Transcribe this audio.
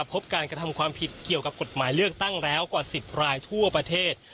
พบการกระทำความผิดเกี่ยวกับกฎหมายเลือกตั้งแล้วกว่า๑๐รายทั่วประเทศ